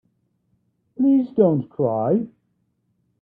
Please don't cry.